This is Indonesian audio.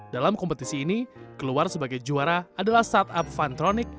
dalam kompetisi ini keluar sebagai juara adalah startup funtronic